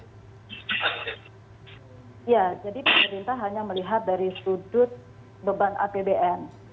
ya jadi pemerintah hanya melihat dari sudut beban apbn